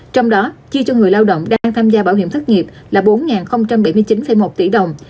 trong đó chi cho người lao động đang tham gia bảo hiểm thất nghiệp là bốn bảy mươi chín một tỷ đồng